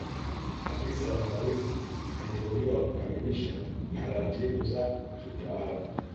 Afisa Mfawidhi aliteuliwa kukamilisha taratibu za kiutawala